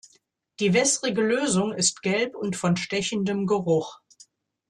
Die wässrige Lösung ist gelb und von stechendem Geruch.